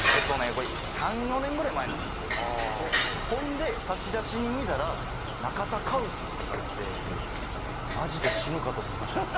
これ３４年ぐらい前なんですけどほんで差出人見たら「中田カウス」って書いててえっ！？何で？